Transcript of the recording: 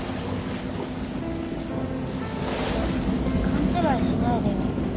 勘違いしないでよ